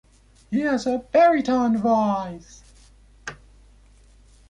He has a baritone voice.